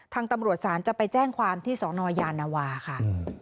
ทางตำรวจศาลจะไปแจ้งความที่สนยานวาค่ะ